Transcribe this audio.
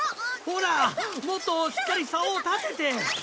ほらもっとしっかりさおを立てて！